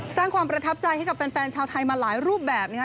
สร้างความประทับใจให้กับแฟนชาวไทยมาหลายรูปแบบนะครับ